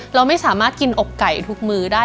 เราไม่สามารถกินอกไก่ทุกมื้อได้